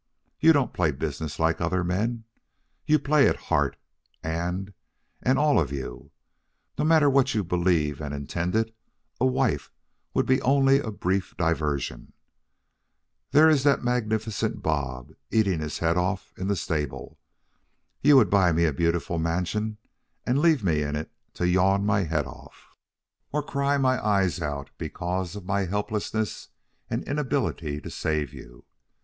You don't play business like other men. You play it heart and and all of you. No matter what you believed and intended a wife would be only a brief diversion. There is that magnificent Bob, eating his head off in the stable. You would buy me a beautiful mansion and leave me in it to yawn my head off, or cry my eyes out because of my helplessness and inability to save you.